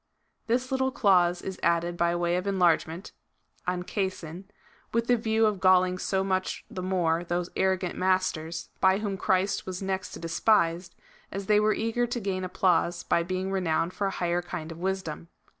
This little clause is added by way of enlargement (av^rja iv,) with the view of galling so much the more those arrogant masters, by whom Christ was next to despised, as they were eager to gain ap plause by being renowned for a higher kind of wisdom.